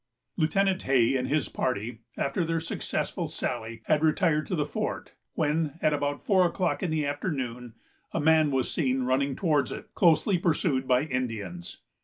Lieutenant Hay and his party, after their successful sally, had retired to the fort; when, at about four o'clock in the afternoon, a man was seen running towards it, closely pursued by Indians.